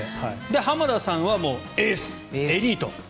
濱田さんはエース、エリート。